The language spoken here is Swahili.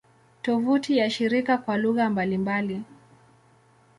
Tovuti ya shirika kwa lugha mbalimbali